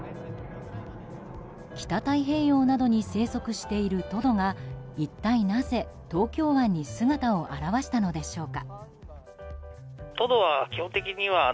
北太平洋などに生息しているトドが一体なぜ、東京湾に姿を現したのでしょうか。